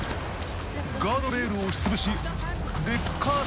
ガードレールを押し潰しレッカー車